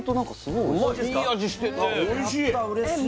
いい味してるね